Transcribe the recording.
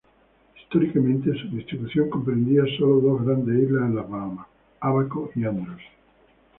Históricamente su distribución comprendía sólo dos grandes islas en las Bahamas: Ábaco y Andros.